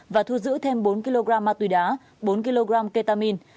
và thu giữ thêm bốn kg ma túy đá bốn kg ketamin